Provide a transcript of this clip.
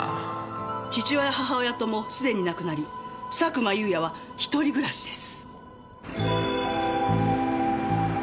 父親母親ともすでに亡くなり佐久間有也は一人暮らしです。